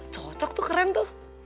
cocok tuh keren tuh